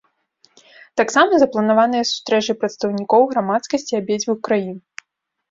Таксама запланаваныя сустрэчы прадстаўнікоў грамадскасці абедзвюх краін.